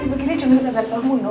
ini begini cuma tebet kamu no